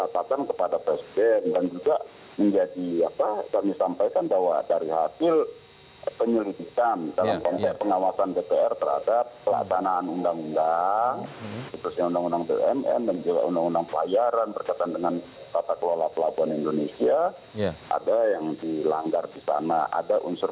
pertanyaan saya selanjutnya begini bang masinton